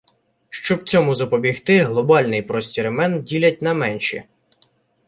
Щоб цьому запобігти глобальний простір імен ділять на менші.